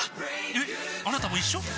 えっあなたも一緒？